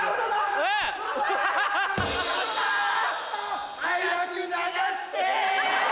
うわ！早く流して！